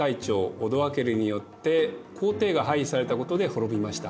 オドアケルによって皇帝が廃位されたことで滅びました。